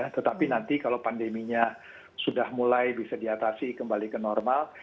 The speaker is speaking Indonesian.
tetapi nanti kalau pandeminya sudah mulai bisa diatasi kembali ke normal